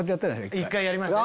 一回やりましたね。